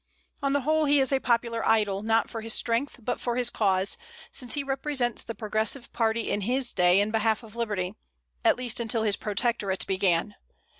On the whole he is a popular idol, not for his strength, but for his cause, since he represents the progressive party in his day in behalf of liberty, at least until his protectorate began.